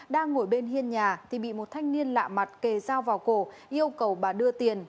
đang ngồi bên hiên nhà thì bị một thanh niên lạ mặt kề dao vào cổ yêu cầu bà đưa tiền